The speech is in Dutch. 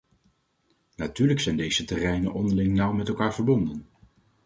Natuurlijk zijn deze terreinen onderling nauw met elkaar verbonden.